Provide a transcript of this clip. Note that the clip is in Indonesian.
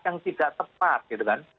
yang tidak tepat gitu kan